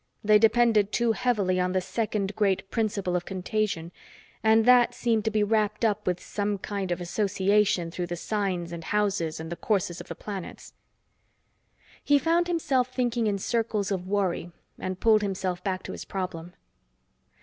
They depended too heavily on the second great principle of contagion, and that seemed to be wrapped up with some kind of association through the signs and houses and the courses of the planets. He found himself thinking in circles of worry and pulled himself back to his problem.